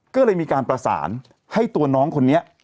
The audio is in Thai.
ก็เลยมีการประสานให้ตัวน้องคนนี้